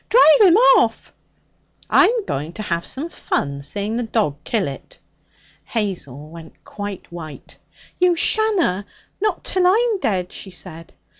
'Drive him off!' 'I'm going to have some fun seeing the dog kill it.' Hazel went quite white. 'You shanna! Not till I'm jead,' she said.